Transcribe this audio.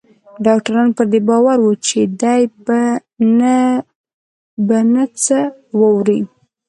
ډاکتران پر دې باور وو چې دی به نه څه واوري.